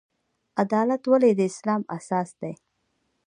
عدالت ولې د اسلام اساس دی؟